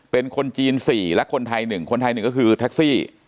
เป็นคนจีน๔และคนไทย๑คนไทย๑ก็คือแท็กซี่